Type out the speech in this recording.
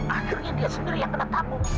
akhirnya dia sendiri yang kena tamu